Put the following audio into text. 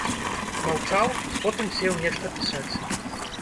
Маўчаў, потым сеў нешта пісаць.